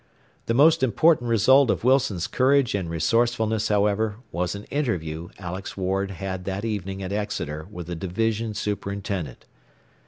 The most important result of Wilson's courage and resourcefulness, however, was an interview Alex Ward had that evening at Exeter with the division superintendent.